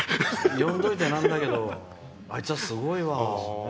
呼んどいてなんだけどあいつは、すごいわ。